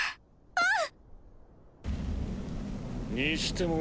うん。